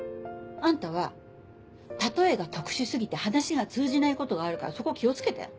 あんたは例えが特殊過ぎて話が通じないことがあるからそこ気を付けて。